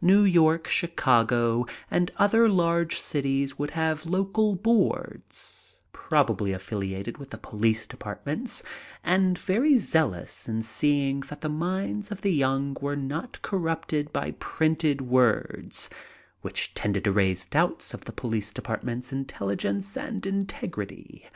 New York, Chicago and other large cities would have local boards, probably affiliated with the poZice departments and very zealous in seeing that the minds of the young were not corrupted by printed words which tended to raise doubts of the police departments* intelligence and integrity.